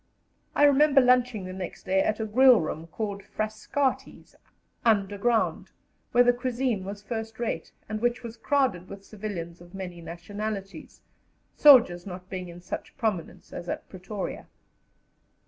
I remember lunching the next day at a grill room, called Frascati's, underground, where the cuisine was first rate, and which was crowded with civilians of many nationalities, soldiers not being in such prominence as at Pretoria.